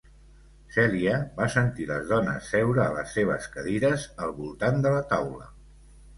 Celia va sentir les dones seure a les seves cadires al voltant de la taula.